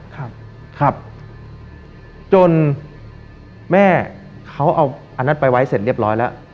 ครับครับจนแม่เขาเอาอันนั้นไปไว้เสร็จเรียบร้อยแล้ว